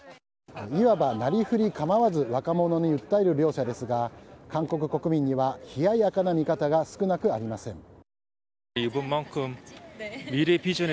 いわばなりふり構わず若者に訴える両者ですが、韓国国民には冷ややかな見方が少なくありません。